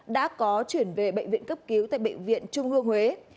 đã có chuyển về bệnh viện cấp cứu tại bệnh viện trung ương huế